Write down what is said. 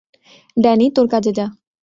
Danny তোর কাজে যা।